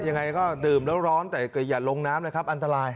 ยังไงก็ดื่มแล้วร้อนแต่อย่าลงน้ำนะครับอันตราย